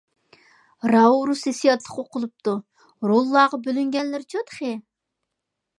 راۋرۇس ھېسسىياتلىق ئوقۇلۇپتۇ. روللارغا بۆلۈنگەنلىرىچۇ تېخى!